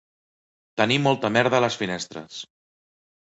Tenir molta merda a les finestres